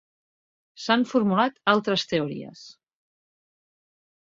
S'han formulat altres teories.